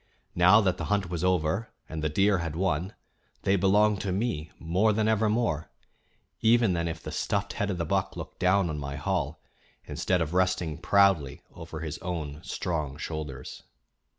Now that the hunt was over and the deer had won, they belonged to me more than ever more even than if the stuffed head of the buck looked down on my hall, instead of resting proudly over his own strong shoulders.